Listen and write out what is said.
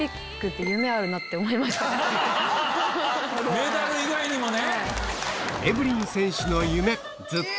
メダル以外にもね。